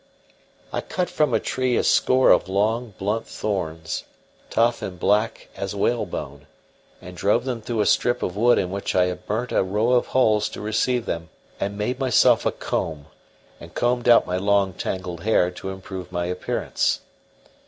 I cut from a tree a score of long, blunt thorns, tough and black as whalebone, and drove them through a strip of wood in which I had burnt a row of holes to receive them, and made myself a comb, and combed out my long, tangled hair to improve my appearance.